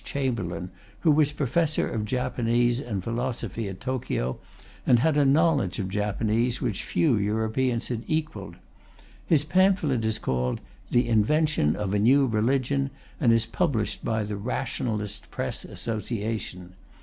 Chamberlain, who was Professor of Japanese and philosophy at Tokyo, and had a knowledge of Japanese which few Europeans had equalled. His pamphlet is called The Invention of a New Religion, and is published by the Rationalist Press Association.